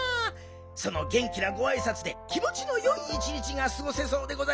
そのげん気なごあいさつで気もちのよい一日がすごせそうでございますですはい！